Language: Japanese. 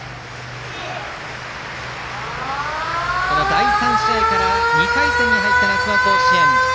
第３試合から２回戦に入った夏甲子園。